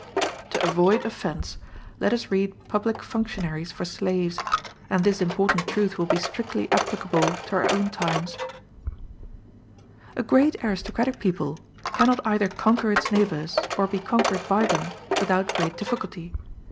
To avoid offence, let us read public functionaries for slaves, and this important truth will be strictly applicable to our own time. A great aristocratic people cannot either conquer its neighbors, or be conquered by them, without great difficulty.